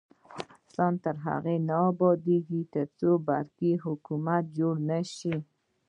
افغانستان تر هغو نه ابادیږي، ترڅو برقی حکومت جوړ نشي.